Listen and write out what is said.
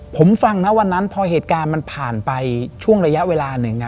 ผมฟังนะวันนั้นพอเหตุการณ์มันผ่านไปช่วงระยะเวลาหนึ่ง